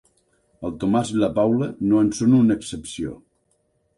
El Tomàs i la Paula no en són una excepció.